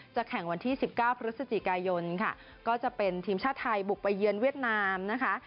แข่งวันที่๑๙พฤศจิกายนค่ะก็จะเป็นทีมชาติไทยบุกไปเยือนเวียดนามนะคะ